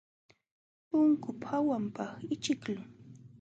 Lunkupa hawanpaq ićhiqlun.